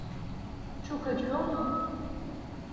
Çok acıyor mu?